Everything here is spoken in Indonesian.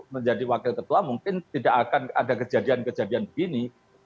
menjadi wakil ketua mungkin tidak akan ada kejadian kejadian begini